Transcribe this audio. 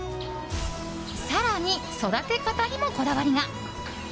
更に、育て方にもこだわりが。